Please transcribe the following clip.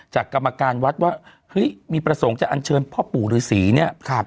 กรรมการวัดว่าเฮ้ยมีประสงค์จะอัญเชิญพ่อปู่ฤษีเนี่ย